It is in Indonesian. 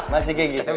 masih kayak gitu